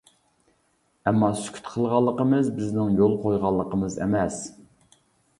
ئەمما، سۈكۈت قىلغانلىقىمىز بىزنىڭ يول قويغانلىقىمىز ئەمەس.